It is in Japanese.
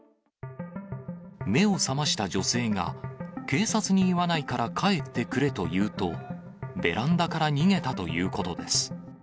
目を覚ました女性が、警察に言わないから帰ってくれというと、ベランダから逃げたということです。